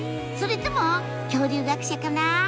それとも恐竜学者かな？